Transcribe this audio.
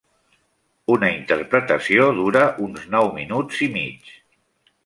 Una interpretació dura uns nou minuts i mig.